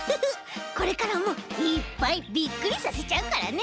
これからもいっぱいびっくりさせちゃうからね！